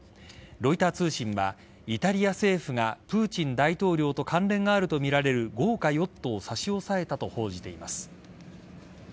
ロイター通信はイタリア政府がプーチン大統領と関連があるとみられる豪華ヨットを差し押さえたと報じています。